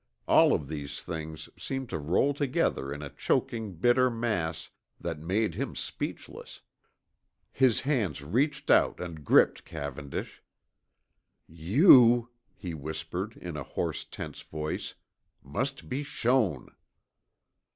all of these things seemed to roll together in a choking bitter mass that made him speechless. His hands reached out and gripped Cavendish. "You," he whispered in a hoarse, tense voice, "must be shown!"